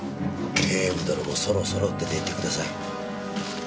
警部殿もそろそろ出て行ってください。